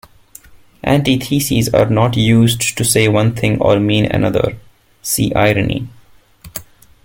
Antitheses are not used to say one thing and mean another, "see irony".